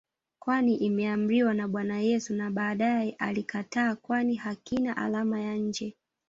kwani imeamriwa na Bwana Yesu na baadae alikataa kwani hakina alama ya nje